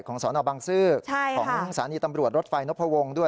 ของสนบางซื้อของสาริตำรวจรถไฟนพวงศ์ด้วย